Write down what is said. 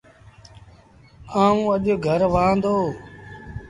آئوٚݩ اَڄ گھر وهآن دو۔